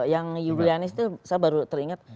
yang yulianis itu saya baru teringat